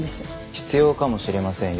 必要かもしれませんよ。